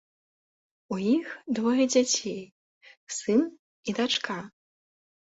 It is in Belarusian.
У іх двое дзяцей, сын і дачка.